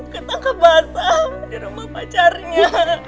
kita ke batam di rumah pacarnya